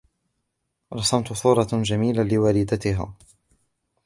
رسمَت صورة جميلة لوالدتها.